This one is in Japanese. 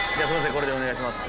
これでお願いします。